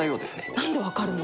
なんで分かるの？